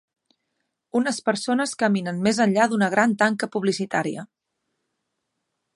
Unes persones caminen més enllà d'una gran tanca publicitària.